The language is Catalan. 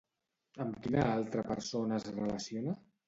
Amb quina altra persona es relaciona?